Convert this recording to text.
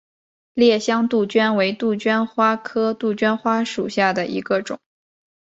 烈香杜鹃为杜鹃花科杜鹃花属下的一个种。